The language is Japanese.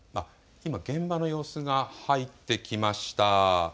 今、現場の様子が入ってきました。